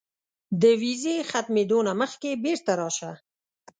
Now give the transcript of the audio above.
د ویزې ختمېدو نه مخکې بیرته راشه.